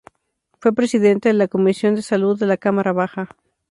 Fue Presidenta de la Comisión de Salud de la cámara baja.